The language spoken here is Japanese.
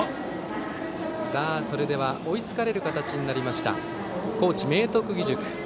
それでは追いつかれる形になりました高知・明徳義塾。